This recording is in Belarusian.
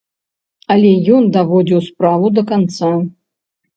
Але ён даводзіў справу да канца.